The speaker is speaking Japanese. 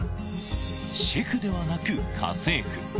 シェフではなく家政婦。